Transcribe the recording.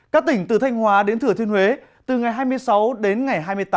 các tỉnh từ thanh hóa đến thừa thiên huế từ ngày hai mươi sáu đến ngày hai mươi tám